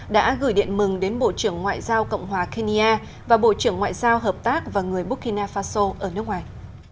đã gửi điện mừng đến bộ trưởng ngoại giao cộng hòa kenya và bộ trưởng ngoại giao hợp tác và người burkina faso ở nước ngoài